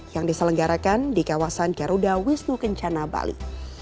yang diselenggarakan di kawasan garuda wisnu kencana bali